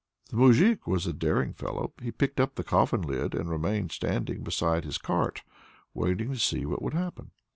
The moujik was a daring fellow. He picked up the coffin lid and remained standing beside his cart, waiting to see what would happen.